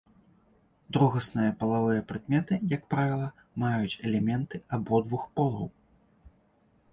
Другасныя палавыя прыкметы, як правіла, маюць элементы абодвух полаў.